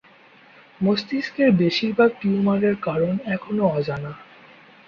মস্তিষ্কের বেশিরভাগ টিউমারের কারণ এখনও অজানা।